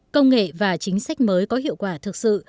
công nghệ và chính sách mới có hiệu quả thực sự